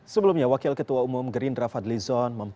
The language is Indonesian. sebelumnya wakil ketua umum grindra fadli zon mempunyai